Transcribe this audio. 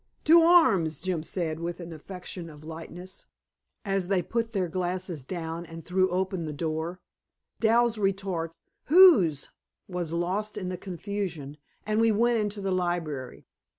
"To arms!" Jim said, with an affectation of lightness, as they put their glasses down, and threw open the door. Dal's retort, "Whose?" was lost in the confusion, and we went into the library.